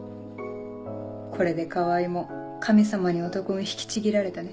これで川合も神様に男運引きちぎられたね。